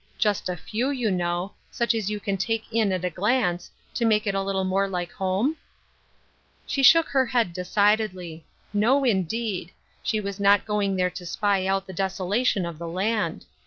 — just a few, you know, such as you can take in at a glance, to make it a little more like home ?" She shook her head decidedly. No, indeed. She was not going there to spy out the desola tion of the land.